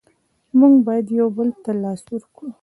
موږ باید یو بل ته لاس ورکړو.